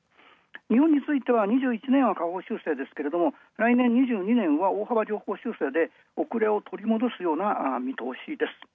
日本については、２１年は囲う修正ですが、来年２２年は大幅上方修正で遅れを見通す見通しです。